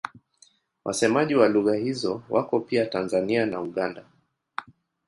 Wasemaji wa lugha hizo wako pia Tanzania na Uganda.